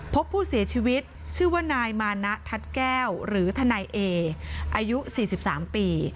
พบผู้เสียชีวิตชื่อว่านายมานะทัศน์แก้วหรือทนายเออายุ๔๓ปี